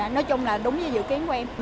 nói chung là đúng như dự kiến của em